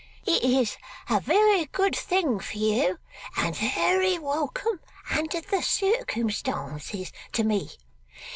It is a very good thing for you, and very welcome under the circumstances to me.